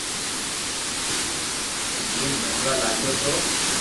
جيم ڀجوا لاگيو تو